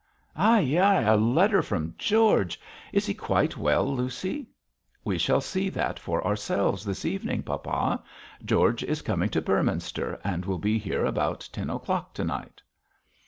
'Ay, ay! a letter from George. Is he quite well, Lucy?' 'We shall see that for ourselves this evening, papa. George is coming to Beorminster, and will be here about ten o'clock to night.'